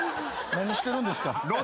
何してるんですか。